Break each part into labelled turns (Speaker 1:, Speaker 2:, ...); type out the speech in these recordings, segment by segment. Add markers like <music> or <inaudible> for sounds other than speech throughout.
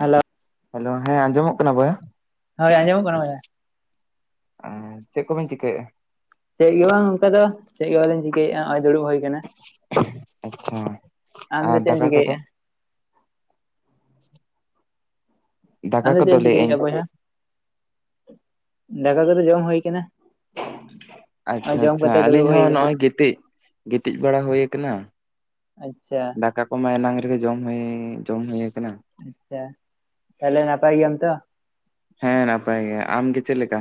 Speaker 1: Hello
Speaker 2: hello ᱦᱮᱸ ᱟᱸᱡᱚᱢᱚᱜ ᱠᱟᱱᱟ ᱵᱳᱚᱭᱟ?
Speaker 1: ᱦᱳᱭ ᱟᱸᱡᱚᱢᱚᱜ ᱠᱟᱱᱟ ᱵᱚᱭᱦᱟ
Speaker 2: ᱟᱨ ᱪᱮᱫ ᱠᱚᱵᱤᱱ ᱪᱤᱠᱟᱹᱭᱮᱜ-ᱟ?
Speaker 1: ᱪᱮᱫ ᱜᱮ ᱵᱟᱝ ᱚᱱᱠᱟ ᱫᱚ ᱪᱮᱫ ᱜᱮ ᱵᱟᱞᱤᱧ ᱪᱤᱠᱟᱹᱭᱟ ᱱᱚᱜ ᱚᱭᱫᱩᱲᱩᱵ
Speaker 2: ᱟᱪᱪᱷᱟ
Speaker 1: ᱟᱢ ᱫᱚ
Speaker 2: ᱟᱨ
Speaker 1: ᱪᱮᱫ ᱮᱢ
Speaker 2: ᱫᱟᱠᱟ ᱠᱚᱫᱚ
Speaker 1: ᱪᱤᱠᱟᱹᱭᱮᱫᱼᱟ?
Speaker 2: ᱫᱟᱠᱟ
Speaker 1: ᱟᱫᱚ ᱪᱮᱫ
Speaker 2: ᱠᱚᱫᱚ
Speaker 1: ᱮᱢ
Speaker 2: ᱞᱟᱹᱭᱮᱫ ᱟᱹᱧ
Speaker 1: ᱪᱤᱠᱟᱹᱭᱮᱫᱟ ᱵᱚᱭᱥᱟ? ᱫᱟᱠᱟ ᱠᱚᱫᱚ ᱡᱚᱢ ᱦᱩᱭ ᱠᱟᱱᱟ᱾
Speaker 2: ᱟᱪᱪᱷᱟ ᱟᱪᱪᱷᱟ, ᱟᱹᱞᱤᱧ ᱦᱚᱸ ᱱᱚᱜᱼᱚᱭ ᱜᱤᱛᱤᱡ ᱜᱤᱛᱤᱡ ᱵᱟᱲᱟ ᱦᱩᱭᱩ ᱟᱠᱟᱱᱟ᱾
Speaker 1: ᱟᱪᱪᱷᱟ
Speaker 2: ᱫᱟᱠᱟ ᱠᱚᱢᱟ ᱮᱱᱟᱝ ᱨᱮᱜᱮ ᱡᱚᱢ ᱦᱩᱭ ᱡᱚᱢ ᱦᱩᱭ ᱠᱟᱱᱟ,
Speaker 1: ᱟᱪᱪᱷᱟ, ᱛᱟᱦᱚᱞᱮ ᱱᱟᱯᱟᱭ ᱜᱮᱭᱟᱢ ᱛᱚ?
Speaker 2: ᱦᱮᱸ ᱱᱟᱯᱟᱭ ᱜᱮ ᱟᱢ ᱜᱮ ᱪᱮᱫ ᱞᱮᱠᱟ?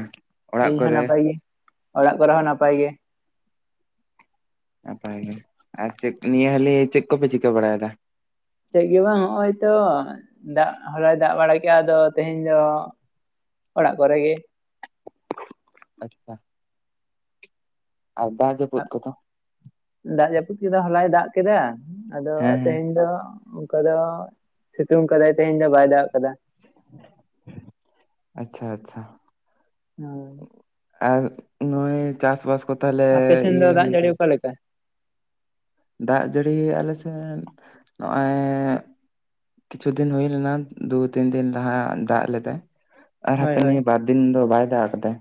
Speaker 2: ᱚᱲᱟᱜ
Speaker 1: ᱤᱧ ᱦᱚᱸ
Speaker 2: ᱠᱚᱨᱮ
Speaker 1: ᱱᱟᱯᱟᱭ ᱜᱤ ᱚᱲᱟᱜ ᱠᱚᱨᱮ ᱦᱚᱸ ᱱᱟᱯᱟᱭ ᱜᱮ᱾
Speaker 2: ᱱᱟᱯᱟᱭ ᱜᱮ ᱟᱨ ᱪᱮᱫ ᱱᱤᱭᱟᱹ ᱦᱟᱹᱞᱤ ᱪᱮᱫ ᱠᱚᱯᱮ ᱪᱤᱠᱟᱹ ᱵᱟᱲᱟᱭᱮᱫᱟ?
Speaker 1: ᱪᱮᱫ ᱜᱮ ᱵᱟᱝ ᱦᱚᱜᱼᱚᱭ ᱛᱚ ᱫᱟᱜ ᱦᱚᱞᱟᱭ ᱫᱟᱜ ᱵᱟᱲᱟ ᱠᱮᱜᱼᱟ ᱟᱫᱚ ᱛᱮᱦᱮᱧ ᱫᱚ ᱚᱲᱟᱜ ᱠᱚᱨᱮ ᱜᱮ᱾
Speaker 2: ᱟᱪᱪᱷᱟ᱾ ᱟᱨ ᱫᱟᱜ ᱡᱟᱯᱳᱛ ᱠᱚᱫᱚ?
Speaker 1: ᱫᱟᱜ ᱡᱟᱹᱯᱩᱫ ᱠᱚᱫᱚ ᱦᱚᱞᱟᱭ ᱫᱟᱜ ᱠᱮᱫᱟ ᱟᱫᱚ
Speaker 2: ᱦᱮᱸ ᱦᱮᱸ
Speaker 1: ᱛᱮᱦᱮᱧ ᱫᱚ ᱚᱱᱠᱟ ᱫᱚ ᱥᱤᱛᱩᱝ ᱠᱟᱫᱟᱭ ᱛᱮᱦᱮᱧ ᱫᱚ ᱵᱟᱭ ᱫᱟᱜ ᱠᱟᱫᱟ
Speaker 2: ᱟᱪᱪᱷᱟ ᱟᱪᱪᱷᱟ᱾
Speaker 1: <unintelligible>
Speaker 2: ᱟᱨ ᱱᱩᱭ ᱪᱟᱥᱵᱟᱥ ᱠᱚ ᱛᱟᱦᱚᱞᱮ ᱤᱭᱟᱹ ᱦᱩᱭ ᱠᱟᱱᱟ
Speaker 1: ᱚᱠᱟᱞᱮᱠᱟ?
Speaker 2: ᱫᱟᱜ ᱡᱟᱹᱲᱤ ᱟᱞᱮ ᱥᱮᱫ ᱱᱚᱜᱼᱚ ᱚᱭ ᱠᱤᱪᱷᱩ ᱫᱤᱱ ᱦᱩᱭ ᱞᱮᱱᱟ ᱫᱩ ᱛᱤᱱ ᱫᱤᱱ ᱞᱟᱦᱟ ᱫᱟᱜ ᱞᱮᱫᱟᱭ, ᱟᱨ
Speaker 1: ᱦᱳᱭ
Speaker 2: ᱦᱟᱯᱮ
Speaker 1: ᱦᱳᱭ
Speaker 2: ᱱᱤᱭᱟᱹ ᱵᱟᱨ ᱫᱤᱱ ᱫᱚ ᱵᱟᱭ ᱫᱟᱜ ᱟᱠᱟᱫᱟᱭ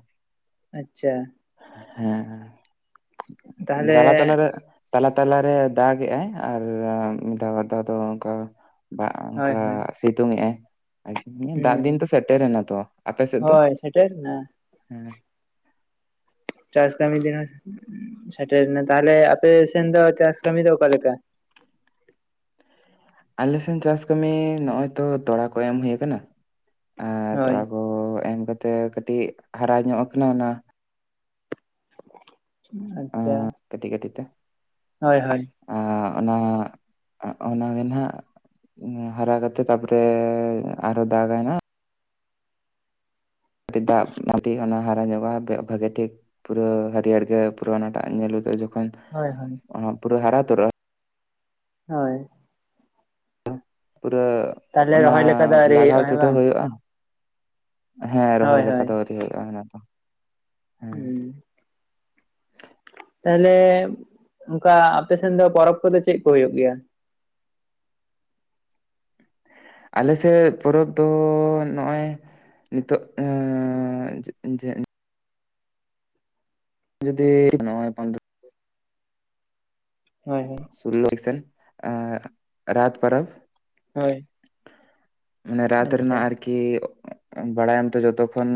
Speaker 1: ᱟᱪᱪᱷᱟ
Speaker 2: ᱦᱮᱸ ᱫᱟᱞᱟ ᱛᱟᱞᱟ
Speaker 1: ᱛᱟᱦᱚᱞᱮ
Speaker 2: ᱨᱮ ᱛᱟᱞᱟ ᱛᱟᱞᱟᱨᱮ ᱫᱟᱜ ᱜᱮᱟᱭ ᱟᱨ ᱢᱤᱫ ᱫᱷᱟᱣ ᱵᱟᱨ ᱫᱷᱟᱣ ᱫᱚ ᱚᱱᱠᱟ ᱵᱟ ᱚᱱᱠᱟ
Speaker 1: ᱦᱳᱭ ᱦᱳᱭ
Speaker 2: ᱥᱤᱛᱩᱝ ᱮᱟᱭ ᱫᱟᱜ
Speaker 1: ᱦᱩᱸ
Speaker 2: ᱫᱤᱱ ᱛᱚ ᱥᱮᱴᱮᱨᱮᱱᱟ ᱛᱚ ᱟᱯᱮ ᱥᱮᱫ ᱫᱚ?
Speaker 1: ᱦᱳᱭ ᱥᱮᱴᱮᱨᱱᱟ ᱪᱟᱥ ᱠᱟᱹᱢᱤ ᱫᱤᱱ ᱦᱚᱸ ᱥᱮᱴᱮᱨ ᱮᱱᱟ, ᱛᱟᱦᱚᱞᱮ ᱟᱯᱮ ᱥᱮᱱ ᱫᱚ ᱪᱟᱥ ᱠᱟᱹᱢᱤ ᱫᱚ ᱚᱠᱟᱞᱮᱠᱟ?
Speaker 2: ᱟᱞᱮ ᱥᱮᱱ ᱪᱟᱥ ᱠᱟᱹᱢᱤ ᱱᱚᱜ-ᱚᱭ ᱛᱚ ᱛᱚᱲᱟ ᱠᱚ ᱮᱢ ᱦᱩᱭᱩᱜ ᱠᱟᱱᱟ ᱟᱨ
Speaker 1: ᱦᱳᱭ
Speaker 2: ᱛᱚᱲᱟ ᱠᱚ ᱛᱚ ᱮᱢ ᱠᱟᱛᱮ ᱠᱟᱹᱴᱤᱡ ᱦᱟᱨᱟ ᱧᱚᱜ ᱟᱠᱟᱱᱟ ᱚᱱᱟ
Speaker 1: ᱟᱪᱪᱷᱟ
Speaker 2: ᱠᱟᱹᱛᱤᱡ ᱠᱟᱹᱛᱤᱡ ᱛᱮ
Speaker 1: ᱦᱳᱭ ᱦᱳᱭ
Speaker 2: ᱟᱨ ᱚᱱᱟ ᱚᱱᱟᱜᱮ ᱱᱟᱜ ᱦᱟᱨᱟ ᱠᱟᱛᱮᱜ ᱛᱟᱨᱯᱚᱨᱮ ᱟᱨᱦᱚ ᱫᱟᱜᱟᱭ ᱦᱟᱜ ᱾ ᱯᱴᱤ ᱫᱟ ᱢᱴᱤ ᱚᱱᱟᱱᱟ <unintelligible> ᱦᱟᱨᱟ ᱧᱚᱜᱚᱼᱟ ᱚᱱᱟᱜᱮ ᱴᱷᱤᱠ ᱯᱩᱨᱟᱹ ᱦᱟᱹᱨᱭᱟᱹᱲ ᱜᱮ ᱯᱩᱨᱟᱹ ᱟᱱᱟᱴᱟᱜ ᱧᱮᱞᱜᱚᱫᱚᱼᱟ ᱡᱚᱠᱷᱚᱱᱼᱼ
Speaker 1: ᱦᱚᱭ ᱦᱚᱭ
Speaker 2: ᱚ ᱯᱩᱨᱟᱹ ᱦᱟᱨᱟ ᱩᱛᱟᱹᱨᱚᱜ-ᱟ ᱾
Speaker 1: ᱦᱳᱭ
Speaker 2: ᱯᱩᱨᱟᱹ
Speaker 1: ᱛᱟᱦᱚᱞᱮ
Speaker 2: ᱚᱱᱟ
Speaker 1: ᱨᱚᱦᱚᱭ ᱞᱮᱠᱟ ᱫᱚ ᱟᱹᱣᱨᱤ
Speaker 2: ᱞᱟᱜᱟᱣ
Speaker 1: ᱦᱩᱭᱩᱜᱼᱟ ᱦᱮᱸ
Speaker 2: ᱪᱷᱩᱴᱷᱟᱹᱣ
Speaker 1: ᱵᱟᱝ
Speaker 2: ᱦᱩᱭᱩᱜ-ᱟ᱾ ᱦᱮᱸ ᱨᱚᱦᱚᱭ
Speaker 1: ᱦᱳᱭ
Speaker 2: ᱞᱮᱠᱟ ᱫᱚ ᱟᱭᱨᱤ, ᱦᱩᱭᱩᱜ-ᱟ ᱚᱱᱟ ᱫᱚ
Speaker 1: ᱦᱮᱸ ᱛᱟᱦᱚᱞᱮ ᱚᱱᱠᱟ ᱟᱯᱮᱥᱮᱱ ᱫᱚ ᱯᱚᱨᱚᱵᱽ ᱠᱚᱫᱚ ᱪᱮᱫ ᱠᱚ ᱦᱩᱭᱩᱜ ᱜᱮᱭᱟ?
Speaker 2: ᱟᱞᱮ ᱥᱮᱫ ᱯᱚᱨᱚᱵᱽ ᱫᱚ ᱱᱚᱜ-ᱚᱭ ᱱᱤᱛᱚᱜ ᱮᱸᱻᱻ ᱫᱮᱜᱤᱧ ᱡᱮ ᱡᱩᱫᱤ ᱱᱚᱭ ᱯᱟᱱᱰ <unintelligible>
Speaker 1: ᱦᱳᱭ ᱦᱳᱭ
Speaker 2: ᱥᱩᱞᱚᱷ ᱥᱮᱱ ᱨᱟᱛ ᱯᱟᱨᱚᱵ
Speaker 1: ᱦᱳᱭ
Speaker 2: ᱢᱟᱱᱮ ᱨᱟᱛ
Speaker 1: ᱟᱪᱪᱷᱟ
Speaker 2: ᱨᱮᱱᱟᱜ ᱟᱨᱠᱤ, ᱠᱤ ᱵᱟᱲᱟᱭ ᱟᱢ ᱛᱚ ᱡᱚᱛᱚ ᱠᱷᱚᱱ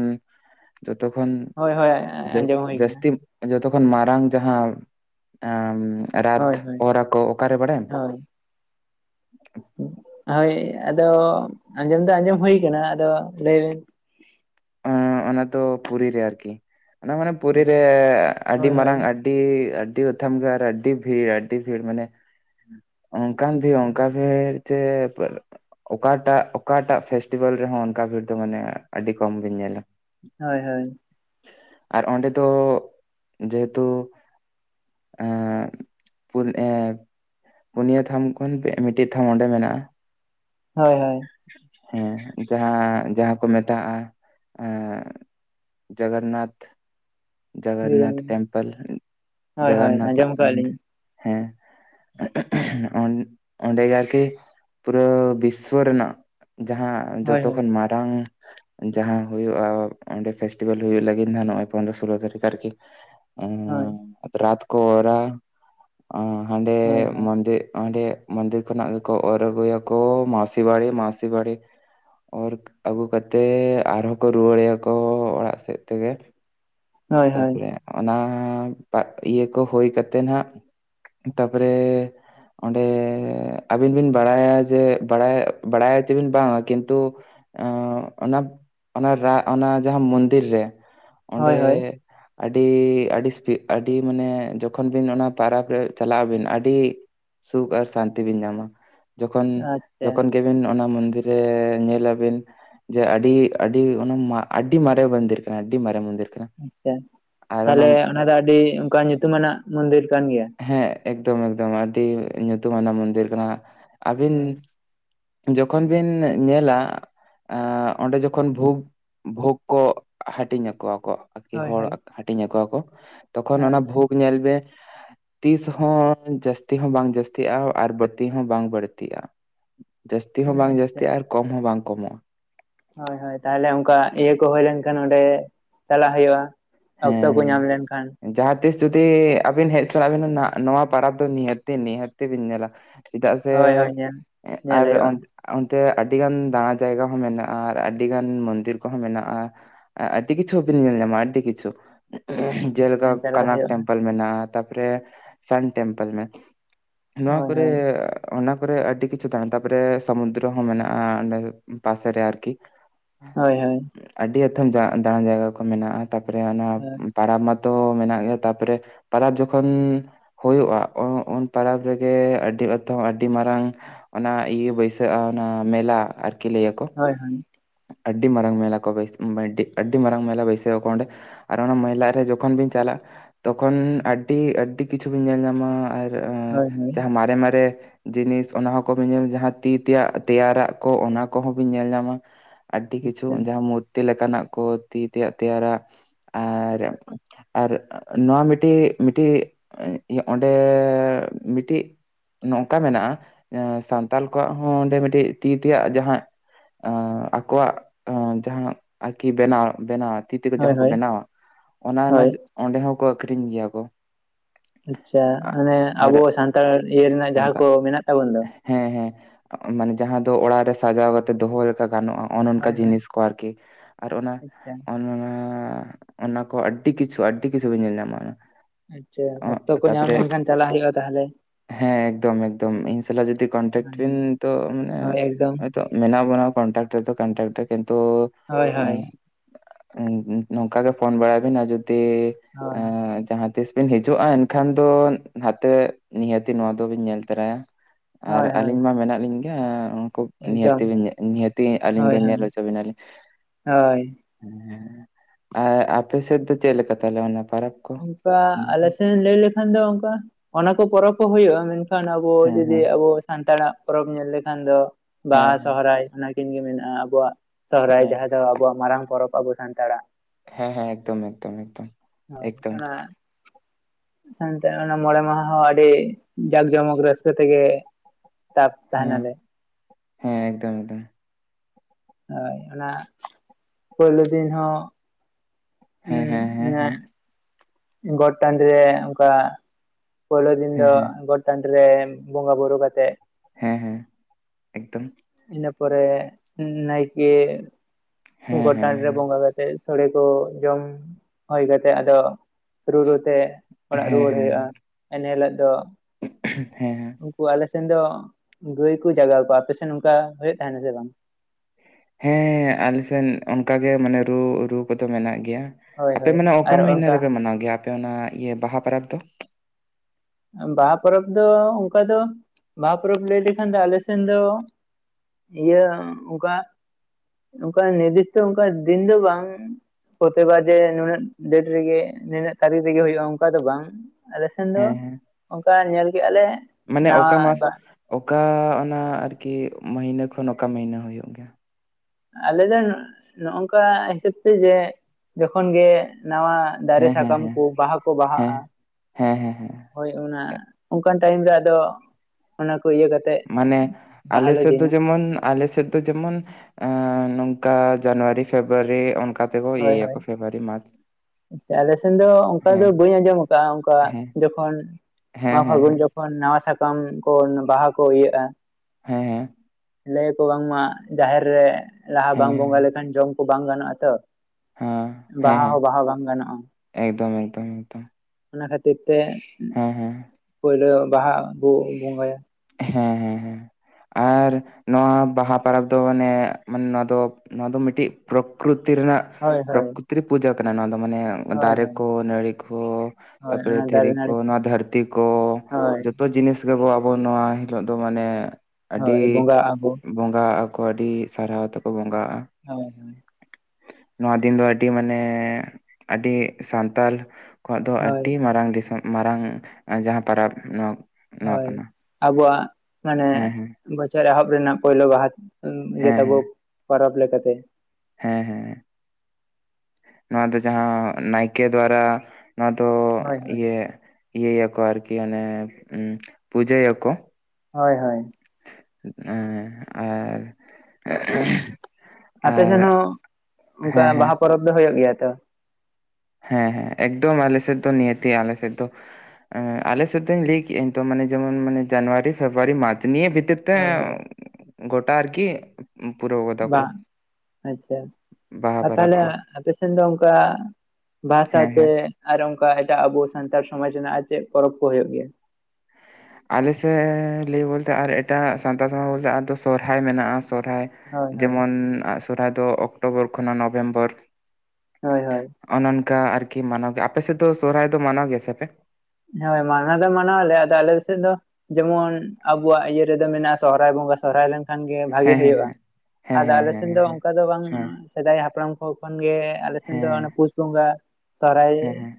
Speaker 2: ᱡᱚᱛᱚ ᱠᱷᱚᱱ
Speaker 1: ᱦᱳᱭ ᱦᱳᱭ
Speaker 2: ᱡᱟ
Speaker 1: ᱟᱸᱡᱚᱢ ᱦᱩᱭ ᱠᱟᱱᱟ
Speaker 2: ᱡᱟᱥᱛᱤ ᱡᱚᱛᱚ ᱠᱷᱚᱱ ᱢᱟᱨᱟᱝ ᱡᱟᱦᱟᱸ ᱨᱟᱛ
Speaker 1: ᱦᱳᱭ ᱦᱳᱭ
Speaker 2: ᱚᱨ ᱟᱠᱚ ᱚᱠᱟᱨᱮ ᱵᱟᱲᱟᱭ ᱟᱢ?
Speaker 1: ᱦᱳᱭ, ᱦᱳᱭ ᱟᱫᱚ ᱟᱸᱡᱚᱢ ᱫᱚ ᱟᱸᱡᱚᱢ ᱦᱩᱭ ᱠᱟᱱᱟ ᱟᱫᱚ ᱞᱟᱹᱭ ᱵᱤᱱ
Speaker 2: ᱚᱱᱟ ᱫᱚ ᱯᱩᱨᱤ ᱨᱮ ᱟᱨᱠᱤ ᱚᱱᱟ ᱢᱟᱱᱮ ᱯᱩᱨᱤ
Speaker 1: ᱦᱳᱭ
Speaker 2: ᱨᱮ ᱟᱹᱰᱤ
Speaker 1: ᱦᱳᱭ
Speaker 2: ᱢᱟᱨᱟᱝ
Speaker 1: ᱦᱳᱭ
Speaker 2: ᱟᱹᱰᱤ ᱟᱹᱰᱤ ᱚᱛᱷᱟᱢ ᱜᱮ ᱟᱨ ᱟᱹᱰᱤ ᱵᱷᱤᱲ ᱟᱹᱰᱤ ᱵᱷᱤᱲ ᱢᱟᱱᱮ ᱚᱱᱠᱟᱱ ᱵᱷᱤᱲ ᱚᱱᱠᱟ <unintelligible> ᱚᱠᱟᱴᱟᱜ ᱚᱠᱟᱴᱟᱜ ᱯᱷᱮᱥᱴᱤᱵᱷᱮᱞ ᱨᱮᱦᱚᱸ ᱚᱱᱠᱟ ᱵᱷᱤᱲ ᱫᱚ ᱢᱟᱱᱮ ᱟᱹᱰᱤ ᱠᱚᱢ ᱵᱤᱱ ᱧᱮᱞ
Speaker 1: ᱦᱳᱭ ᱦᱳᱭ
Speaker 2: ᱟᱨ ᱚᱸᱰᱮ ᱫᱚ ᱡᱮᱦᱮᱛᱩ ᱮᱸᱜ ᱯᱩᱞ ᱮᱯ ᱯᱩᱱᱭᱟᱹ ᱛᱷᱟᱢ ᱠᱷᱚᱱ ᱢᱤᱫᱴᱤᱡ ᱛᱷᱟᱢ ᱚᱸᱰᱮ ᱢᱮᱱᱟᱜ-ᱟ
Speaker 1: ᱦᱳᱭ ᱦᱳᱭ
Speaker 2: ᱦᱮᱸ ᱡᱟᱦᱟᱸ ᱡᱟᱦᱟᱸ ᱠᱚ ᱢᱮᱛᱟᱜ-ᱟ ᱡᱚᱜᱚᱱᱱᱟᱛᱷ ᱡᱚᱜᱚᱱᱱᱟᱛᱷ
Speaker 1: ᱡᱤᱵᱚᱱ
Speaker 2: ᱴᱮᱢᱯᱮᱞ
Speaker 1: ᱦᱳᱭ ᱦᱳᱭ
Speaker 2: ᱡᱚᱜᱚᱱᱱᱟᱛᱷ ᱟᱜ
Speaker 1: ᱟᱸᱡᱚᱢ ᱟᱠᱟᱫ
Speaker 2: ᱢᱚᱱᱫᱤ
Speaker 1: ᱞᱤᱧ
Speaker 2: ᱦᱮᱸ ᱚᱱ ᱚᱸᱰᱮ ᱟᱨᱠᱤ ᱯᱩᱨᱟᱹ ᱵᱤᱥᱥᱚ ᱨᱮᱱᱟᱜ ᱡᱟᱦᱟᱸ
Speaker 1: ᱦᱳᱭ
Speaker 2: ᱡᱚᱛᱚ
Speaker 1: ᱦᱳᱭ
Speaker 2: ᱠᱷᱚᱱ ᱢᱟᱨᱟᱝ ᱡᱟᱦᱟᱸ ᱦᱳᱭᱳᱜ ᱟ ᱚᱸᱰᱮ ᱯᱷᱮᱥᱴᱤᱵᱮᱞ ᱦᱩᱭᱩᱜ ᱞᱟᱹᱜᱤᱫ ᱱᱚᱜ-ᱚᱭ ᱯᱚᱱᱨᱚ ᱥᱳᱞᱞᱳ ᱛᱟᱹᱨᱤᱠᱷ ᱟᱨᱠᱤ᱾
Speaker 1: ᱦᱳᱭ
Speaker 2: ᱨᱟᱛ ᱠᱚ ᱚᱨᱟ ᱦᱟᱸᱰᱮ
Speaker 1: ᱦᱳᱭ
Speaker 2: ᱢᱚᱸᱫᱮ ᱚᱸᱰᱮ ᱢᱚᱱᱫᱤᱨ ᱠᱷᱚᱱᱟᱜ ᱜᱮᱠᱚ ᱚᱨ ᱟᱹᱜᱩᱭᱟᱠᱚ ᱢᱟᱥᱤ ᱵᱟᱲᱤ ᱢᱟᱥᱤ ᱵᱟᱲᱤ ᱚᱨ ᱟᱹᱜᱩ ᱠᱟᱛᱮᱜ ᱟᱨᱦᱚᱸ ᱠᱚ ᱨᱩᱣᱟᱹᱲᱮᱭᱟᱠᱚ ᱚᱲᱟᱜ ᱥᱮᱫ ᱛᱮᱜᱮ,
Speaker 1: ᱦᱳᱭ ᱦᱳᱭ
Speaker 2: ᱛᱟᱯᱚᱨᱮ ᱚᱱᱟ ᱴᱟᱜ ᱤᱭᱟᱹ ᱠᱚ ᱦᱳᱭ ᱠᱟᱛᱮᱫ ᱦᱟᱸᱜ ᱛᱟᱯᱚᱨᱮ ᱚᱸᱰᱮ ᱟᱹᱵᱤᱱ ᱵᱤᱱ ᱵᱟᱲᱟᱭᱟ ᱡᱮ ᱵᱟᱲᱟᱭ ᱵᱟᱲᱟᱭᱟ ᱪᱮ ᱵᱤᱱ ᱵᱟᱝᱟ ᱠᱤᱱᱛᱩ ᱚᱱᱟ ᱚᱱᱟ ᱨᱟ ᱚᱱᱟ ᱡᱟᱦᱟᱸ ᱢᱚᱱᱫᱤᱨ ᱨᱮ ᱚᱸᱰᱮ
Speaker 1: ᱦᱳᱭ ᱦᱳᱭ
Speaker 2: ᱟᱹᱰᱤ ᱟᱹᱰᱤ ᱟᱥᱯᱤ ᱟᱹᱰᱤ ᱢᱟᱱᱮ ᱡᱚᱠᱷᱚᱱ ᱵᱤᱱ ᱚᱱᱟ ᱯᱟᱨᱟᱵᱽ ᱨᱮ ᱪᱟᱞᱟᱜ ᱟᱹᱵᱤᱱ ᱟᱹᱰᱤ ᱥᱩᱠ ᱟᱨ ᱥᱟᱱᱛᱤ ᱵᱤᱱ ᱧᱟᱢᱟ ᱡᱚᱠᱷᱚᱱ
Speaker 1: ᱟᱪᱪᱷᱟ
Speaker 2: ᱡᱚᱠᱷᱚᱱ ᱜᱮ ᱟᱹᱵᱤᱱ ᱚᱱᱟ ᱢᱚᱱᱫᱤᱨ ᱨᱮ ᱧᱮᱞ ᱟᱵᱤᱱ ᱡᱮ ᱟᱹᱰᱤ ᱟᱹᱰᱤ ᱚᱱᱟ ᱟᱹᱰᱰᱤ ᱢᱟᱨᱮ ᱢᱚᱱᱫᱤᱨ ᱠᱟᱱᱟ ᱟᱹᱰᱰᱤ ᱢᱟᱨᱮ ᱢᱚᱱᱫᱤᱨ ᱠᱟᱱᱟ᱾
Speaker 1: ᱟᱪᱪᱷᱟ ᱛᱟᱦᱞᱮ ᱚᱱᱟ ᱫᱚ ᱟᱹᱰᱤ ᱚᱱᱠᱟ ᱧᱩᱛᱩᱢ ᱟᱱᱟᱜ ᱢᱚᱱᱫᱤᱨ ᱠᱟᱱ ᱜᱮᱭᱟ?
Speaker 2: ᱦᱮᱸ ᱮᱠᱫᱚᱢ ᱮᱠᱫᱚᱢ ᱟᱹᱰᱤ ᱧᱩᱛᱩᱢᱛᱩᱢ ᱟᱱᱟᱜ ᱢᱚᱱᱫᱤᱨ ᱠᱟᱱᱟ ᱟᱵᱤᱱ
Speaker 1: ᱦᱳᱭ
Speaker 2: ᱡᱚᱠᱷᱚᱱ ᱵᱤᱱ ᱧᱮᱞᱟ ᱚᱸᱰᱮ ᱡᱚᱠᱷᱚᱱ ᱵᱷᱩᱜᱽ ᱵᱷᱳᱩᱜᱽ ᱠᱚ ᱦᱟᱹᱴᱤᱧ ᱟᱠᱚᱣᱟ ᱠᱚ, ᱟᱨᱠᱤ
Speaker 1: ᱦᱳᱭ
Speaker 2: ᱦᱚᱲ
Speaker 1: ᱦᱳᱭ
Speaker 2: ᱦᱟᱹᱴᱤᱧ ᱟᱠᱚᱣᱟ ᱠᱚ ᱛᱚᱠᱷᱚᱱ
Speaker 1: ᱦᱳᱭ
Speaker 2: ᱚᱱᱟ ᱵᱷᱳᱜᱽ ᱧᱮᱞ ᱵᱮ ᱛᱤᱥ ᱦᱚᱸ ᱡᱟᱹᱥᱛᱤ ᱦᱚᱸ ᱵᱟᱝ ᱡᱟᱹᱥᱛᱤᱜ-ᱟ ᱟᱨ ᱵᱟᱲᱛᱤ ᱦᱚᱸ ᱵᱟᱝ ᱵᱟᱹᱲᱛᱤᱜ-ᱟ᱾ ᱡᱟᱹᱥᱛᱤ ᱦᱚᱸ
Speaker 1: ᱦᱮᱸ
Speaker 2: ᱵᱟᱝ
Speaker 1: ᱟᱪᱪᱷᱟ
Speaker 2: ᱡᱟᱹᱥᱛᱤᱜ-ᱟ ᱟᱨ ᱠᱚᱢ ᱦᱚᱸ ᱵᱟᱝ ᱠᱚᱢᱚᱜ-ᱟ᱾
Speaker 1: ᱦᱳᱭ ᱦᱳᱭ ᱛᱟᱦᱚᱞᱮ ᱚᱱᱠᱟ ᱤᱭᱟᱹ ᱠᱚ ᱦᱳᱭ ᱞᱮᱱ ᱠᱷᱟᱱ ᱚᱸᱰᱮ ᱪᱟᱞᱟᱜ ᱦᱩᱭᱩᱜ-ᱟ᱾
Speaker 2: ᱦᱮᱸ ᱡᱟ ᱛᱤᱥ ᱡᱩᱫᱤ ᱟᱹᱵᱤᱱ ᱦᱮᱡ ᱥᱟᱱᱟ ᱵᱤᱱᱟ ᱱᱟᱦᱸᱜ, ᱱᱚᱣᱟ ᱯᱟᱨᱟᱚᱵᱽ ᱫᱚ ᱱᱤᱦᱟᱹᱛᱤ ᱱᱤᱦᱟᱹᱛᱤ ᱵᱤᱱ ᱧᱮᱞᱟ᱾ ᱪᱮᱫᱟᱜ ᱥᱮ
Speaker 1: ᱦᱳᱭ ᱦᱳᱭ ᱧᱮᱞ ᱧᱮᱞ
Speaker 2: ᱟᱨ
Speaker 1: ᱦᱩᱭᱩᱜᱼᱟ
Speaker 2: ᱚᱱ ᱚᱱᱛᱮ ᱟᱹᱰᱤᱜᱟᱱ ᱫᱟᱬᱟ ᱡᱟᱭᱜᱟ ᱦᱚᱸ ᱢᱮᱱᱟᱜ-ᱟ ᱟᱨ ᱟᱹᱰᱤᱜᱟᱱ ᱢᱚᱱᱫᱤᱨ ᱠᱚᱦᱚᱸ ᱢᱮᱱᱟᱜ-ᱟ᱾ ᱟᱹᱰᱤ ᱠᱤᱪᱩ ᱵᱤᱱ ᱧᱮᱞ ᱧᱟᱢᱟ ᱟᱹᱰᱤ ᱠᱤᱪᱩ ᱡᱮᱞᱮᱠᱟ
Speaker 1: ᱦᱮᱸ ᱪᱟᱞᱟᱜ
Speaker 2: ᱠᱟᱱᱟᱯ
Speaker 1: ᱦᱩᱭᱩᱜᱼᱟ
Speaker 2: ᱴᱮᱢᱯᱮᱞ ᱢᱮᱱᱟᱜ-ᱟ ᱛᱟᱯᱨᱮ ᱥᱟᱱᱴᱮᱢᱯᱮᱞ ᱢᱮ ᱱᱚᱣᱟ
Speaker 1: ᱦᱳᱭ
Speaker 2: ᱠᱚᱨᱮ
Speaker 1: ᱦᱳᱭ
Speaker 2: ᱚᱱᱟ ᱠᱚᱨᱮ ᱟᱹᱰᱤ ᱠᱤᱪᱷᱩ ᱛᱟᱦᱮᱱ ᱛᱟᱯᱚᱨᱮ ᱥᱚᱢᱩᱫᱨᱚ ᱦᱚᱸ ᱢᱮᱱᱟᱜ-ᱟ ᱚᱸᱰᱮ ᱯᱟᱥᱮᱨᱮ ᱟᱨᱠᱤ
Speaker 1: ᱦᱳᱭ ᱦᱳᱭ
Speaker 2: ᱟᱹᱰᱤ ᱟᱛᱷᱟᱹᱱ ᱡᱟ ᱫᱟᱬᱟᱱ ᱡᱟᱭᱜᱟ ᱠᱚ ᱢᱮᱱᱟᱜ-ᱟ ᱛᱟᱯᱚᱨᱮ ᱚᱱᱟ
Speaker 1: ᱦᱳᱭ
Speaker 2: ᱯᱟᱨᱟᱢᱚᱛ ᱛᱚ ᱢᱮᱱᱟᱜ ᱜᱮᱭᱟ ᱛᱟᱯᱚᱨᱮ ᱯᱟᱨᱟᱵᱽ ᱡᱚᱠᱷᱚᱱ ᱦᱳᱭᱳᱜ-ᱟ ᱩᱱ ᱯᱟᱨᱟᱵᱽ ᱨᱮᱜᱮ ᱟᱹᱰᱤ ᱟᱹᱛᱟᱹᱢ ᱟᱹᱰᱤ ᱢᱟᱨᱟᱝ ᱚᱱᱟ ᱤᱭᱟᱹ ᱵᱟᱹᱭᱥᱟᱹᱜ ᱟ ᱚᱱᱟ ᱢᱮᱞᱟ ᱟᱨᱠᱤ ᱞᱟᱹᱭᱟᱠᱚ
Speaker 1: ᱦᱳᱭ ᱦᱳᱭ
Speaker 2: ᱟᱰᱰᱤ ᱢᱟᱨᱟᱝ ᱢᱮᱞᱟ ᱠᱚ ᱵᱟᱭᱥᱟᱹ ᱟᱰᱰᱤ ᱢᱟᱨᱟᱝ ᱢᱮᱞᱟ ᱵᱟᱹᱭᱥᱟᱣ ᱟᱠᱚ ᱚᱸᱰᱮ᱾ ᱟᱨ ᱚᱱᱟ ᱢᱚᱭᱞᱟ ᱨᱮ ᱡᱚᱠᱷᱚᱱ ᱵᱤᱱ ᱪᱟᱞᱟᱜ ᱛᱚᱠᱷᱚᱱ ᱟᱹᱰᱤ ᱟᱹᱰᱤ ᱠᱤᱪᱷᱩ ᱵᱤᱱ ᱧᱮᱞ ᱧᱟᱢᱟ ᱟᱨ
Speaker 1: ᱦᱳᱭ ᱦᱳᱭ
Speaker 2: ᱡᱟᱦᱟᱸ ᱢᱟᱨᱮ ᱢᱟᱨᱮ ᱡᱤᱱᱤᱥ ᱚᱱᱟ ᱦᱚᱸᱠᱚᱵᱤᱱ ᱧᱮᱞ ᱡᱟᱦᱟᱸ ᱛᱤ ᱛᱮᱭᱟᱜ ᱛᱮᱭᱟᱨᱟᱜ ᱠᱚ ᱚᱱᱟ ᱠᱚᱦᱚᱸ ᱵᱤᱱ ᱧᱮᱞ ᱧᱟᱢᱟ᱾ ᱟᱰᱰᱤ ᱠᱤᱪᱷᱩ ᱡᱟᱦᱟᱸ ᱢᱩᱨᱛᱤ ᱞᱮᱠᱟᱱᱟᱜ ᱠᱚ ᱛᱤ ᱛᱮᱭᱟᱜ ᱛᱮᱭᱟᱨᱟ ᱟᱨ ᱟᱨ ᱱᱚᱣᱟ ᱢᱤᱫᱴᱤᱜ ᱢᱤᱫᱴᱤᱜ ᱚᱸᱰᱮᱻ ᱢᱤᱫᱴᱤᱜ ᱱᱚᱜ ᱠᱟ ᱢᱮᱱᱟᱜ-ᱟ ᱥᱟᱱᱛᱟᱞ ᱠᱚᱣᱟᱜ ᱦᱚᱸ ᱚᱸᱰᱮ ᱢᱤᱴᱤᱡ ᱛᱤ ᱛᱮᱭᱟᱜ ᱡᱟᱦᱟᱸ ᱮ ᱟᱠᱚᱣᱟᱜ ᱡᱟᱦᱟᱸ ᱟᱨᱠᱤ ᱵᱮᱱᱟᱣ ᱵᱮᱱᱟᱣ ᱛᱤ ᱛᱮᱠᱚ
Speaker 1: ᱦᱳᱭ
Speaker 2: ᱡᱟᱦᱟᱸ ᱠᱚ
Speaker 1: ᱦᱳᱭ
Speaker 2: ᱵᱮᱱᱟᱣᱟ ᱚᱱᱟ
Speaker 1: ᱦᱳᱭ
Speaker 2: ᱨᱮᱱᱟᱜ ᱚᱸᱰᱮ ᱦᱚᱸᱠᱚ ᱟᱠᱷᱨᱤᱧ ᱜᱮᱭᱟ ᱠᱚ᱾
Speaker 1: ᱟᱪᱪᱷᱟ ᱟᱱᱮ
Speaker 2: ᱟᱨ
Speaker 1: ᱟᱵᱚ ᱥᱟᱱᱛᱟᱲ ᱤᱭᱟᱹ ᱨᱮᱱᱟᱜ ᱡᱟᱦᱟᱸ
Speaker 2: ᱥᱟᱱᱛᱟᱲ
Speaker 1: ᱠᱚ ᱢᱮᱱᱟᱜ ᱛᱟᱵᱚᱱ ᱫᱚ
Speaker 2: ᱦᱮᱸ ᱦᱮᱸ ᱢᱟᱱᱮ ᱡᱟᱦᱟᱸ ᱫᱚ ᱚᱲᱟᱜ ᱨᱮ ᱥᱟᱡᱟᱣ ᱠᱟᱛᱮ ᱫᱚᱦᱚ ᱞᱮᱠᱟ ᱜᱟᱱᱚᱜ-ᱟ᱾ ᱚᱱ ᱚᱱᱠᱟ
Speaker 1: ᱦᱳᱭ ᱦᱳᱭ
Speaker 2: ᱡᱤᱱᱤᱥ ᱠᱚ ᱟᱨᱠᱤ ᱟᱨ ᱚᱱᱟ
Speaker 1: ᱟᱪᱪᱷᱟ
Speaker 2: ᱚᱱ ᱚᱱᱟ ᱚᱱᱟ ᱠᱚ ᱟᱰᱰᱤ ᱠᱤᱪᱷᱩ ᱟᱰᱰᱤ ᱠᱤᱪᱷᱩ ᱵᱮᱱ ᱧᱮᱞ ᱧᱟᱢᱟ᱾
Speaker 1: ᱟᱪᱪᱷᱟ ᱚᱠᱛᱚ ᱠᱚ ᱧᱟᱢ
Speaker 2: ᱛᱟᱯᱚᱨᱮ
Speaker 1: ᱞᱮᱱᱠᱷᱟᱱ ᱪᱟᱞᱟᱜ ᱦᱩᱭᱩᱜᱼᱟ ᱛᱟᱦᱚᱞᱮ᱾
Speaker 2: ᱦᱮᱸ ᱮᱠᱫᱚᱢ ᱮᱠᱫᱚᱢ ᱤᱧ ᱥᱟᱞᱟᱜ ᱡᱩᱚᱫᱤ ᱠᱚᱱᱴᱮᱠᱴ
Speaker 1: ᱦᱳᱭ
Speaker 2: ᱵᱤᱱ
Speaker 1: ᱦᱳᱭ᱾
Speaker 2: ᱛᱚ
Speaker 1: ᱦᱳᱭ ᱮᱠᱫᱚᱢ
Speaker 2: ᱢᱟᱱᱮᱼᱼ ᱢᱮᱱᱟᱜ ᱵᱚᱱᱟ ᱠᱚᱱᱴᱮᱠ ᱠᱚᱱᱴᱮᱠ ᱠᱤᱱᱛᱩᱼᱼ
Speaker 1: ᱦᱳᱭ ᱦᱳᱭ
Speaker 2: ᱱᱚᱝᱠᱟ ᱜᱮ ᱯᱷᱳᱱ ᱵᱟᱲᱟᱭ ᱵᱤᱱᱟ ᱡᱩᱫᱤ
Speaker 1: ᱦᱳᱭ
Speaker 2: ᱡᱟᱦᱟᱸ ᱛᱤᱥ ᱵᱤᱱ ᱦᱤᱡᱩᱜᱼᱟ ᱮᱱᱠᱷᱟᱱ ᱫᱚ ᱱᱟᱛᱮ ᱱᱤᱦᱟᱹᱛ ᱱᱚᱣᱟ ᱫᱚ ᱵᱤᱱ ᱧᱮᱞ ᱛᱚᱨᱟᱭᱟ ᱟᱨ
Speaker 1: ᱦᱳᱭ ᱦᱳᱭ
Speaker 2: ᱟᱹᱞᱤᱧ ᱢᱟ ᱢᱮᱱᱟᱜ ᱞᱤᱧ ᱜᱮᱭᱟ ᱩᱱᱠᱩ ᱱᱤᱦᱟᱹᱛ
Speaker 1: ᱮᱠᱫᱚᱢ
Speaker 2: ᱵᱤᱱᱼᱼ ᱱᱤᱦᱟᱹᱛᱤ ᱟᱹᱞᱤᱧ ᱫᱚ
Speaker 1: ᱦᱳᱭ
Speaker 2: ᱧᱮᱞ
Speaker 1: ᱦᱳᱭ
Speaker 2: ᱦᱚᱪᱚ ᱵᱤᱱᱟᱞᱤᱧ᱾
Speaker 1: ᱦᱳᱭ
Speaker 2: ᱦᱮᱸ ᱟᱨ ᱟᱯᱮ ᱥᱮᱫ ᱫᱚ ᱪᱮᱫ ᱞᱮᱠᱟ ᱛᱟᱞᱮ ᱚᱱᱟ ᱯᱟᱨᱟᱵᱷ?
Speaker 1: ᱚᱱᱠᱟ ᱟᱞᱮ ᱥᱮᱱ ᱞᱟᱹᱭ ᱞᱮᱠᱷᱟᱱ ᱫᱚ ᱚᱱᱠᱟ ᱚᱱᱟᱠᱚ ᱯᱚᱨᱚᱵᱽ ᱦᱚᱸ ᱦᱩᱭᱩᱜᱼᱟ ᱢᱮᱱᱠᱷᱟᱱᱼᱼ ᱠᱷᱟᱱ ᱟᱵᱚ
Speaker 2: ᱦᱮᱸ
Speaker 1: ᱡᱩᱫᱤ
Speaker 2: ᱦᱮᱸ
Speaker 1: ᱟᱵᱚ ᱥᱟᱱᱛᱟᱲᱟᱜ ᱯᱚᱨᱚᱵᱽ ᱧᱮᱞ ᱞᱮᱠᱷᱟᱱ ᱫᱚ ᱵᱟᱦᱟ
Speaker 2: ᱦᱮᱸ
Speaker 1: ᱥᱚᱦᱚᱨᱟᱭ ᱛᱠᱤᱱ ᱜᱮ ᱢᱮᱱᱟᱜᱼᱟ ᱟᱵᱚᱣᱟᱜ ᱥᱚᱦᱨᱟᱭ ᱡᱟᱦᱟᱸ ᱫᱚ ᱟᱵᱚᱣᱟᱜ ᱢᱟᱨᱟᱝ ᱯᱚᱨᱚᱵᱽ ᱟᱵᱚ ᱥᱟᱱᱛᱟᱲᱟᱜ᱾
Speaker 2: ᱦᱮᱸ ᱦᱮᱸ ᱮᱠᱫᱚᱢ ᱮᱠᱫᱚᱢ ᱮᱠᱫᱚᱢ
Speaker 1: ᱦ
Speaker 2: ᱮᱠᱫᱚᱢ
Speaker 1: ᱟᱨᱮ <unintelligible> ᱮᱱᱛᱮ ᱚᱱᱟ ᱢᱚᱬᱮ ᱢᱟᱦᱟ ᱦᱚᱸ ᱟᱹᱰᱤ ᱡᱟᱠ ᱡᱚᱢᱚᱠ ᱨᱟᱹᱥᱠᱟᱹ ᱛᱮᱜᱮᱼᱼ ᱛᱟᱯ ᱛᱟᱦᱮᱱᱟᱞᱮ
Speaker 2: ᱦᱮᱸ ᱦᱮᱸ ᱮᱠᱫᱚᱢ ᱮᱠᱫᱚᱢ᱾
Speaker 1: ᱦᱳᱭ ᱚᱱᱟ ᱯᱳᱭᱞᱳ ᱫᱤᱱ ᱦᱚᱸ
Speaker 2: ᱦᱮᱸ ᱦᱮᱸ
Speaker 1: ᱦᱩᱸ
Speaker 2: ᱦᱮᱸ ᱦᱮᱸ
Speaker 1: <unintelligible> ᱜᱚᱴ ᱴᱟᱺᱰᱤ ᱨᱮ ᱚᱱᱠᱟ ᱯᱳᱭᱞᱳ ᱫᱤᱱ
Speaker 2: ᱦᱮᱸ
Speaker 1: ᱫᱚ
Speaker 2: ᱦᱮᱸ
Speaker 1: ᱜᱚᱴ ᱴᱟᱺᱰᱤ ᱨᱮ ᱵᱚᱸᱜᱟ ᱵᱩᱨᱩ ᱠᱟᱛᱮᱫᱼᱼ
Speaker 2: ᱦᱮᱸ ᱦᱮᱸ ᱮᱠᱫᱚᱢ᱾
Speaker 1: ᱤᱱᱟ ᱯᱚᱨᱮ ᱱᱟᱭᱠᱮ
Speaker 2: ᱦᱮᱸ
Speaker 1: ᱜᱚᱴ
Speaker 2: ᱦᱮᱸ
Speaker 1: ᱴᱟᱺᱰᱤ ᱨᱮ
Speaker 2: ᱦᱮᱸ
Speaker 1: ᱵᱚᱸᱜᱟᱼᱼ ᱥᱚᱲᱮ ᱠᱚ ᱡᱚᱢ ᱦᱩᱭ ᱠᱟᱛᱮ ᱟᱫᱚ ᱨᱩ ᱨᱩ ᱛᱮ ᱚᱲᱟᱜ
Speaker 2: ᱦᱮᱸ
Speaker 1: ᱨᱩᱣᱟᱹᱲ ᱦᱩᱭᱩᱜᱼᱟ
Speaker 2: ᱦᱮᱸ
Speaker 1: ᱮᱱᱦᱤᱞᱳᱜ ᱫᱚ
Speaker 2: ᱦᱮᱸ ᱦᱮᱸ᱾
Speaker 1: ᱱᱩᱠᱩ ᱟᱞᱮ ᱥᱮᱱ ᱫᱚ ᱜᱟᱹᱭ ᱠᱚ ᱡᱟᱜᱟᱣ ᱠᱚᱣᱟ ᱟᱯᱮ ᱥᱮᱱ ᱚᱱᱠᱟ ᱦᱩᱭᱩᱜ ᱛᱟᱦᱮᱸᱱᱟ ᱥᱮ ᱵᱟᱝ?
Speaker 2: ᱦᱮᱸ ᱦᱮᱸ ᱟᱞᱮᱥᱮᱱ ᱚᱱᱠᱟᱜᱮ ᱢᱟᱱᱮ ᱨᱩ ᱨᱩ ᱠᱚᱫᱚ ᱢᱮᱱᱟᱜ ᱜᱮᱭᱟ
Speaker 1: ᱦᱳᱭ
Speaker 2: ᱟᱯᱮ
Speaker 1: ᱦᱳᱭ
Speaker 2: ᱢᱟᱱᱮ ᱚᱠᱟ
Speaker 1: ᱟᱨ
Speaker 2: ᱢᱟᱹᱦᱱᱟᱹ
Speaker 1: ᱚᱱᱠᱟ
Speaker 2: ᱨᱮᱯᱮ ᱢᱟᱱᱟᱣ ᱜᱮᱭᱟ ᱟᱯᱮ ᱚᱱᱟ ᱤᱭᱟᱹ ᱵᱟᱦᱟ ᱯᱚᱨᱚᱵᱽ ᱫᱚ?
Speaker 1: ᱵᱟᱦᱟ ᱯᱚᱨᱚᱵᱽ ᱫᱚ ᱚᱱᱠᱟ ᱫᱚ ᱵᱟᱦᱟ ᱯᱚᱨᱚᱵᱽ ᱞᱟᱹᱭ ᱞᱮᱠᱷᱟᱱ ᱫᱚ ᱟᱞᱮ ᱥᱮᱱ ᱫᱚᱼᱼ ᱤᱭᱟᱹ ᱚᱱᱠᱟ ᱚᱱᱠᱟ ᱱᱤᱨᱫᱤᱥᱴᱚ ᱚᱱᱠᱟ ᱫᱤᱱ ᱫᱚ ᱵᱟᱝ ᱯᱨᱚᱛᱤᱵᱟᱨ ᱡᱮ ᱱᱩᱱᱟᱹᱜ ᱰᱮᱴ ᱨᱮᱜᱮ ᱱᱩᱱᱟᱹᱜ ᱛᱟᱹᱨᱤᱠᱷ ᱨᱮᱜᱮ ᱦᱩᱭᱩᱜᱼᱟ ᱚᱱᱠᱟ ᱫᱚ ᱵᱟᱝ ᱟᱞᱮ ᱥᱮᱱ ᱫᱚᱼᱼ
Speaker 2: ᱦᱮᱸ ᱦᱮᱸ
Speaker 1: ᱚᱱᱠᱟ ᱧᱮᱞ ᱠᱮᱜ- ᱟ ᱞᱮ
Speaker 2: ᱢᱟᱱᱮ ᱚᱠᱟ ᱢᱟᱥ
Speaker 1: ᱱᱟᱣᱟ
Speaker 2: ᱚᱠᱟ ᱚᱱᱟ ᱟᱨᱠᱤ ᱢᱟᱹᱦᱱᱟᱹ ᱠᱷᱚᱱ ᱚᱠᱟ ᱢᱟᱹᱦᱱᱟ ᱦᱩᱭᱩᱜ ᱜᱮᱭᱟ᱾
Speaker 1: ᱟᱞᱮ ᱫᱚ ᱱᱚᱜᱝᱠᱟ ᱦᱤᱥᱟᱹᱵ ᱛᱮ ᱡᱮ ᱡᱚᱠᱷᱚᱱ ᱜᱮ ᱱᱟᱣᱟᱼᱼ ᱫᱟᱨᱮ
Speaker 2: ᱦᱮᱸ ᱦᱮᱸ
Speaker 1: ᱥᱟᱠᱟᱢ
Speaker 2: ᱦᱮᱸ
Speaker 1: ᱠᱚ ᱵᱟᱦᱟ ᱠᱚ ᱵᱟᱦᱟᱜᱼᱟ᱾
Speaker 2: ᱦᱮᱸ ᱦᱮᱸ ᱦᱮᱸ ᱦᱮᱸ
Speaker 1: ᱦᱳᱭ ᱚᱱᱟ ᱚᱱᱠᱟᱱ ᱴᱟᱭᱤᱢ ᱨᱮ ᱟᱫᱚ ᱚᱱᱟ ᱠᱚ ᱤᱭᱟᱹ ᱠᱟᱛᱮᱼᱼ
Speaker 2: ᱢᱟᱸᱱᱮ ᱟᱞᱮ ᱥᱮᱫ ᱫᱚ ᱡᱮᱢᱚᱱ ᱟᱞᱮ ᱥᱮᱫᱼᱼ ᱡᱮᱢᱚᱱ ᱱᱚᱝᱠᱟ ᱡᱟᱱᱩᱣᱟᱨᱤ ᱯᱷᱮᱵᱨᱩᱟᱨᱤ ᱚᱱᱠᱟᱼᱼ ᱛᱮᱠᱚ ᱤᱭᱟᱹᱭᱟᱠᱚ ᱯᱷᱮᱵᱨᱩᱟᱨᱤ ᱢᱟᱨᱪ᱾
Speaker 1: ᱱᱚᱛᱮ ᱟᱞᱮ ᱥᱮᱱ ᱫᱚ ᱚᱱᱠᱟ ᱫᱚ
Speaker 2: ᱦᱮᱸ
Speaker 1: ᱵᱟᱹᱧ ᱟᱸᱡᱚᱢ ᱟᱠᱟᱜᱼᱟ ᱚᱱᱠᱟ
Speaker 2: ᱦᱮᱸ
Speaker 1: ᱡᱚᱠᱷᱚᱱ
Speaker 2: ᱦᱮᱸ
Speaker 1: ᱢᱟᱠᱷ
Speaker 2: ᱦᱮᱸ
Speaker 1: ᱯᱷᱟᱹᱜᱩᱱ ᱡᱚᱠ
Speaker 2: ᱦᱮᱸ
Speaker 1: ᱡᱚᱠᱷᱚᱱ ᱱᱟᱣᱟ ᱥᱟᱠᱟᱢ ᱠᱚ ᱵᱟᱦᱟ ᱠᱚ ᱤᱭᱟᱹᱜᱼᱟ᱾
Speaker 2: ᱦᱮᱸ ᱦᱮᱸᱻ
Speaker 1: ᱞᱟᱭᱟᱠᱚ ᱵᱟᱝᱢᱟ ᱡᱟᱦᱮᱨ ᱨᱮ ᱞᱟᱦᱟ ᱵᱟᱝ
Speaker 2: ᱦᱮᱸ ᱦᱮᱸ
Speaker 1: ᱵᱚᱸᱜᱟ
Speaker 2: ᱦᱮᱸ
Speaker 1: ᱞᱮᱠᱷᱟᱱ ᱡᱚᱢ ᱠᱚ ᱵᱟᱝ ᱜᱟᱱᱚᱜᱼᱟ ᱛᱚ᱾
Speaker 2: ᱦᱮᱸ ᱦᱮᱸ
Speaker 1: ᱵᱟᱦᱟ
Speaker 2: ᱦᱮᱸ
Speaker 1: ᱦᱚᱸ ᱵᱟᱦᱟ ᱵᱟᱝ ᱜᱟᱱᱚᱜᱼᱟ᱾
Speaker 2: ᱮᱠᱫᱚᱢ ᱮᱠᱫᱚᱢ ᱮᱠᱫᱚᱢ
Speaker 1: ᱚᱱᱟ ᱠᱷᱟᱹᱛᱤᱨ ᱛᱮ
Speaker 2: ᱦᱮᱸ ᱦᱮᱸ
Speaker 1: ᱯᱳᱭᱞᱳ ᱵᱟᱦᱟ ᱵᱚ ᱵᱚᱸᱜᱟᱭᱟ᱾
Speaker 2: ᱦᱮᱸ ᱦᱮᱸ ᱦᱮᱸ, ᱟᱨ ᱱᱚᱣᱟ ᱵᱟᱦᱟ ᱯᱟᱨᱟᱵᱽ ᱫᱚ ᱢᱟᱱᱮ ᱢᱟᱱᱮ ᱱᱚᱣᱟ ᱫᱚ ᱱᱚᱣᱟ ᱫᱚ ᱢᱤᱴᱤᱡ ᱯᱨᱚᱠᱨᱤᱛᱤ ᱨᱮᱱᱟᱜᱼᱼ
Speaker 1: ᱦᱳᱭ ᱦᱳᱭ
Speaker 2: ᱯᱨᱚᱠᱨᱤᱛᱤ ᱨᱮ ᱯᱩᱡᱟ ᱠᱟᱱᱟ ᱱᱚᱣᱟ ᱫᱚ ᱢᱟᱱᱮ
Speaker 1: ᱦᱳᱭ
Speaker 2: ᱫᱟᱨᱮ,
Speaker 1: ᱦᱳᱭ
Speaker 2: ᱠᱚ ᱱᱟᱹᱲᱤ, ᱠᱚ
Speaker 1: ᱦᱳᱭ
Speaker 2: ᱛᱟᱯᱚᱨᱮ
Speaker 1: ᱚᱱᱟ
Speaker 2: ᱫᱷᱤᱨᱤ,
Speaker 1: ᱫᱟᱨᱮ
Speaker 2: ᱠᱚ
Speaker 1: ᱱᱟᱹᱲᱤ
Speaker 2: ᱱᱚᱣᱟ ᱫᱷᱟᱹᱨᱛᱤ ᱠᱚ
Speaker 1: ᱦᱳᱭ
Speaker 2: ᱡᱚᱛᱚ ᱡᱤᱱᱤᱥ ᱜᱮᱵᱚ ᱟᱵᱚ ᱱᱚᱣᱟ ᱦᱤᱞᱳᱜ ᱫᱚ ᱢᱟᱱᱮ ᱟᱹᱰᱤ
Speaker 1: ᱦᱳᱭ ᱵᱚᱸᱜᱟᱜᱼᱟ ᱵᱚ
Speaker 2: ᱵᱚᱸᱜᱟ ᱟᱠᱚ ᱟᱹᱰᱤ ᱥᱟᱨᱦᱟᱣ ᱛᱮᱠᱚ ᱵᱚᱸᱜᱟᱜ-ᱟ᱾
Speaker 1: ᱦᱳᱭ ᱦᱳᱭ
Speaker 2: ᱱᱚᱣᱟ ᱫᱤᱱ ᱫᱚ ᱟᱹᱰᱤ ᱢᱟᱱᱮ ᱟᱹᱰᱤ ᱥᱟᱱᱛᱟᱞ ᱠᱚᱣᱟᱜ ᱫᱚ
Speaker 1: ᱦᱳᱭ
Speaker 2: ᱟᱹᱰᱤ ᱢᱟᱨᱟᱝ ᱫᱤᱥᱚᱢ ᱢᱟᱨᱟᱝ ᱡᱟᱦᱟᱸ ᱯᱟᱨᱟᱵᱽ ᱱᱚᱣᱟ ᱱᱚᱣᱟ
Speaker 1: ᱦᱳᱭ
Speaker 2: ᱠᱟᱱᱟ᱾
Speaker 1: ᱟᱵᱚᱣᱟᱜ ᱢᱟᱱᱮ
Speaker 2: ᱦᱮᱸ ᱦᱮᱸ
Speaker 1: ᱵᱚᱪᱷᱚᱨ ᱮᱦᱚᱵ ᱨᱮᱱᱟᱜ ᱯᱳᱭᱞᱳ ᱵᱟᱦᱟ ᱜᱮ
Speaker 2: ᱦᱮᱸ
Speaker 1: ᱛᱟᱵᱚ ᱯᱚᱨᱚᱵᱽ ᱞᱮᱠᱟᱛᱮ᱾
Speaker 2: ᱦᱮᱸ ᱦᱮᱸ᱾ ᱱᱚᱣᱟ ᱫᱚ ᱡᱟᱦᱟᱸ ᱱᱟᱭᱠᱮ ᱫᱚᱣᱟᱨᱟ ᱱᱚᱣᱟ ᱫᱚ
Speaker 1: ᱦᱳᱭ ᱦᱳᱭ
Speaker 2: ᱤᱭᱟᱹ ᱤᱭᱟᱹᱭᱟᱠᱚ ᱟᱨᱠᱤ ᱚᱱᱮ ᱯᱩᱡᱟᱹᱭᱟᱠᱚ᱾
Speaker 1: ᱦᱳᱭ ᱦᱳᱭ᱾
Speaker 2: <unintelligible> ᱟᱨ
Speaker 1: ᱟᱯᱮ
Speaker 2: ᱟᱨ
Speaker 1: ᱥᱮᱱ ᱦᱚᱸ ᱚᱱᱠᱟ
Speaker 2: ᱦᱮᱸ ᱦᱮᱸ
Speaker 1: ᱵᱟᱦᱟ ᱯᱚᱨᱚᱵᱽ ᱫᱚ ᱦᱳᱭᱳᱜ ᱜᱮᱭᱟ ᱛᱚ?
Speaker 2: ᱦᱮᱸ ᱦᱮᱸ ᱮᱠᱫᱚᱢ ᱟᱞᱮᱥᱮᱫ ᱫᱚ ᱱᱤᱭᱟᱹᱛᱤ ᱟᱞᱮᱥᱮᱫ ᱫᱚ ᱮ ᱟᱞᱮᱥᱮᱫ ᱫᱚᱧ ᱞᱟᱹᱭ ᱠᱮᱜ ᱤᱧ ᱛᱚ ᱢᱟᱱᱮ ᱡᱮᱢᱚᱱ ᱢᱟᱱᱮ ᱡᱟᱱᱩᱣᱟᱨᱤ ᱯᱷᱮᱵᱽᱨᱚᱣᱟᱨᱤ ᱢᱟᱨᱪᱷ ᱱᱤᱭᱟ ᱵᱷᱤᱛᱤᱨ ᱛᱮ
Speaker 1: ᱦᱳᱭ ᱦᱳᱭ
Speaker 2: ᱜᱚᱴᱟ ᱟᱨᱠᱤ ᱯᱩᱨᱟᱹᱣᱟ᱾
Speaker 1: ᱵᱟᱝ ᱟᱪᱪᱷᱟ᱾
Speaker 2: ᱵᱟᱦᱟ
Speaker 1: ᱟᱨ
Speaker 2: ᱯᱚᱨᱚᱵᱽ
Speaker 1: ᱛᱟᱦᱚᱞᱮ
Speaker 2: ᱫᱚ
Speaker 1: ᱟᱯᱮ ᱥᱮᱱ ᱫᱚ ᱚᱱᱠᱟ
Speaker 2: ᱦᱮᱸ ᱦᱮᱸ
Speaker 1: ᱵᱟᱥᱟᱛᱮ ᱟᱨ ᱚᱱᱠᱟ ᱮᱴᱟᱜ ᱟᱵᱚ ᱥᱟᱱᱛᱟᱲ ᱥᱚᱢᱟᱡᱽ ᱨᱮᱱᱟᱜ ᱟᱨ ᱪᱮᱫ ᱯᱚᱨᱚᱵᱽ ᱠᱚ ᱦᱩᱭᱩᱜ ᱜᱮᱭᱟ?
Speaker 2: ᱟᱞᱮ ᱥᱮᱫ ᱞᱟᱹᱭ ᱵᱚᱞᱛᱮ ᱟᱨ ᱮᱴᱟᱜ ᱥᱟᱱᱛᱟᱲ ᱵᱚᱞᱛᱮ ᱟᱫᱚ ᱥᱚᱨᱦᱟᱭ ᱢᱮᱱᱟᱜ-ᱟ ᱥᱚᱨᱦᱟᱭ᱾
Speaker 1: ᱦᱳᱭ ᱦᱳᱭ
Speaker 2: ᱡᱮᱢᱚᱱ ᱟᱜ ᱥᱚᱦᱨᱟᱭ ᱫᱚ ᱚᱠᱴᱳᱵᱚᱨ ᱠᱷᱚᱱᱟᱜ ᱱᱚᱵᱷᱮᱢᱵᱚᱨ᱾
Speaker 1: ᱦᱳᱭ ᱦᱳᱭ᱾
Speaker 2: ᱚᱱᱮ ᱚᱱᱠᱟ ᱟᱨᱠᱤ ᱢᱟᱱᱟᱣ ᱜᱮ ᱟᱯᱮ ᱥᱮᱫ ᱫᱚ ᱥᱚᱦᱨᱟᱭ ᱫᱚ ᱢᱟᱱᱟᱣ ᱜᱮᱭᱟ ᱥᱮ ᱯᱮ?
Speaker 1: ᱦᱳᱭ ᱢᱟᱱᱟᱣ ᱫᱚ ᱢᱟᱱᱟᱣᱟᱞᱮ ᱟᱫᱚ ᱟᱞᱮ ᱥᱮᱫ ᱫᱚ ᱡᱮᱢᱚᱱ ᱟᱵᱚᱣᱟᱜ ᱤᱭᱟᱹ ᱨᱮᱫᱚ ᱢᱮᱱᱟᱜ-ᱟ ᱥᱚᱦᱚᱨᱟᱭ ᱵᱚᱸᱜᱟ ᱥᱚᱦᱨᱟᱭ ᱞᱮᱱᱠᱷᱟᱱ ᱠᱷᱟᱱ ᱜᱮ ᱵᱷᱟᱜᱮ
Speaker 2: ᱦᱮᱸ
Speaker 1: ᱦᱩᱭᱩᱜ-ᱟ
Speaker 2: ᱦᱮᱸ
Speaker 1: ᱟᱫᱚ
Speaker 2: ᱦᱮᱸ
Speaker 1: ᱟᱞᱮ ᱥᱮᱱ ᱫᱚ
Speaker 2: ᱦᱮᱸ
Speaker 1: ᱚᱱᱠᱟ ᱫᱚ ᱵᱟᱝ
Speaker 2: ᱦᱮᱸ
Speaker 1: ᱥᱮᱫᱟᱭ ᱦᱟᱯᱲᱟᱢ ᱠᱚ ᱠᱷᱚᱱ ᱜᱮ ᱟᱞᱮ ᱥᱮᱱ ᱫᱚ ᱚᱱᱟ
Speaker 2: ᱦᱮᱸ
Speaker 1: ᱯᱩᱥ ᱵᱚᱸᱜᱟ ᱥᱚᱦᱨᱟᱭ
Speaker 2: ᱦᱮᱸ ᱦᱮᱸ ᱦᱮᱸ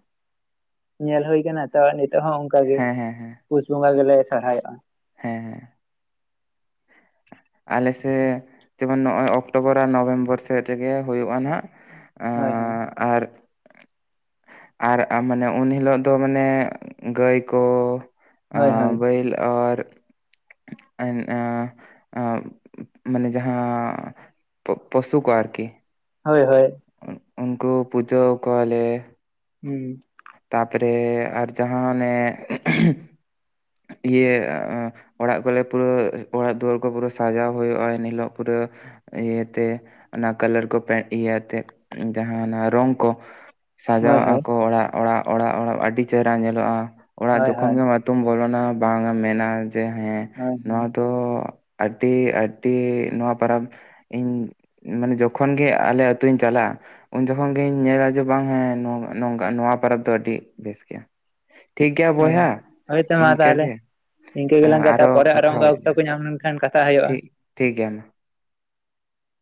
Speaker 1: ᱧᱮᱞ ᱦᱩᱭ ᱟᱠᱟᱱᱟ᱾ ᱛᱚ ᱱᱤᱛᱚᱜ ᱦᱚᱸ ᱚᱱᱠᱟ ᱜᱮ
Speaker 2: ᱦᱮᱸ ᱦᱮᱸ ᱦᱮᱸ ᱦᱮᱸ ᱦᱮᱸ
Speaker 1: ᱯᱩᱥ ᱵᱚᱸᱜᱟ ᱜᱮᱞᱮ ᱥᱚᱨᱦᱟᱭᱚᱜ-ᱟ᱾
Speaker 2: ᱦᱮᱸ ᱾ ᱟᱞᱮ ᱥᱮ ᱱᱚᱜ-ᱚᱭ ᱚᱠᱴᱳᱵᱚᱨ ᱟᱨ ᱱᱚᱵᱷᱮᱢᱵᱚᱨ ᱥᱮᱫ ᱨᱮᱜᱮ ᱦᱩᱭᱩᱜ-ᱟ ᱱᱟᱦᱟᱜ᱾
Speaker 1: ᱦᱳᱭ ᱦᱳᱭ᱾
Speaker 2: ᱟᱸ ᱟᱨ ᱟᱨ ᱢᱟᱱᱮ ᱩᱱ ᱦᱤᱞᱳᱜ ᱫᱚ ᱢᱟᱱᱮ ᱜᱟᱹᱭ ᱠᱚ
Speaker 1: ᱦᱳᱭ ᱦᱳᱭ᱾
Speaker 2: <unintelligible> ᱢᱟᱱᱮ ᱡᱟᱦᱟᱸ ᱯᱚᱥᱩ ᱠᱚ ᱟᱨᱠᱤ
Speaker 1: ᱦᱳᱭ ᱦᱳᱭ᱾
Speaker 2: ᱩᱱᱠᱩ ᱯᱩᱡᱟᱹ ᱠᱚᱣᱟᱞᱮ
Speaker 1: ᱦᱩᱸ
Speaker 2: ᱛᱟᱯᱚᱨᱮ ᱟᱨ ᱡᱟᱦᱟᱸ ᱚᱱᱮ ᱤᱭᱟᱹ ᱚᱲᱟᱜ ᱠᱚᱞᱮ ᱯᱩᱨᱟᱹ ᱚᱲᱟᱜ ᱫᱩᱣᱟᱹᱨ ᱠᱚ ᱯᱩᱨᱟᱹ ᱥᱟᱡᱟᱣ ᱦᱩᱭᱩᱜ-ᱟ ᱮᱱᱦᱤᱞᱳᱜ ᱯᱩᱨᱟᱹ ᱤᱭᱟᱹᱛᱮ ᱚᱱᱟ ᱠᱟᱞᱟᱨ ᱠᱚ ᱤᱭᱟᱹᱛᱮ ᱡᱟᱦᱟᱱᱟᱜ ᱨᱚᱝ ᱠᱚ ᱥᱟᱡᱟᱣᱟᱜ ᱟ ᱜᱶᱭᱨᱭᱢᱠᱚ ᱚᱲᱟᱜ ᱚᱲᱟᱜ ᱚᱲᱟᱜ ᱚᱲᱟᱜ ᱟᱹᱰᱤ ᱪᱮᱦᱨᱟ ᱧᱮᱞᱚᱜᱼᱟ ᱚᱲᱟᱜ ᱡᱚᱠᱷᱚᱱ ᱜᱮ ᱵᱚᱞᱚᱱᱟ ᱵᱟᱝ ᱮᱢ ᱢᱮᱱᱟ ᱡᱮ ᱦᱮᱸ
Speaker 1: ᱦᱳᱭ
Speaker 2: ᱱᱚᱣᱟ ᱫᱚ ᱟᱹᱰᱤ ᱟᱹᱰᱤ ᱱᱚᱣᱟ ᱯᱚᱨᱚᱵᱽ ᱤᱧ ᱢᱟᱱᱮ ᱡᱚᱠᱷᱚᱱ ᱜᱮ ᱟᱞᱮ ᱟᱹᱛᱩᱧ ᱪᱟᱞᱟᱜ-ᱟ ᱩᱱ ᱡᱚᱠᱷᱚᱱ ᱜᱤᱧ ᱧᱮᱞᱟ ᱡᱮ ᱵᱟᱝ ᱦᱮᱸ ᱱᱚᱣᱟ ᱯᱚᱨᱚᱵᱽ ᱫᱚ ᱟᱹᱰᱤ ᱵᱮᱥ ᱜᱮᱭᱟ᱾ ᱴᱷᱤᱠ ᱜᱮᱭᱟ ᱵᱚᱭᱦᱟ᱾
Speaker 1: ᱦᱳᱭᱛᱚ ᱢᱟ ᱛᱟᱦᱚᱞᱮ
Speaker 2: ᱤᱱᱠᱟᱹᱜᱮ
Speaker 1: ᱤᱱᱠᱟᱹ ᱜᱮᱞᱟᱝ ᱠᱟᱛᱷᱟ ᱯᱚᱨᱮ ᱟᱨᱚ ᱚᱱᱠᱟ ᱚᱠᱛᱚ ᱠᱚ ᱧᱟᱢ ᱞᱮᱱᱠᱷᱟᱱ ᱠᱟᱛᱷᱟ ᱦᱩᱭᱩᱜ-ᱟ᱾
Speaker 2: ᱴᱷᱤᱠ ᱴᱷᱤᱠ ᱜᱮᱭᱟ ᱢᱟ᱾